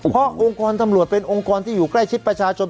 เพราะองค์กรตำรวจเป็นองค์กรที่อยู่ใกล้ชิดประชาชน